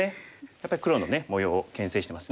やっぱり黒の模様をけん制してますね。